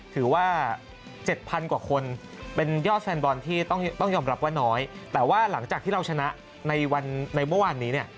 ถือว่า๗๐๐กว่าคนเป็นยอดแฟนบอลที่ต้องยอมรับว่าน้อยแต่ว่าหลังจากที่เราชนะในวันในเมื่อวานนี้เนี่ย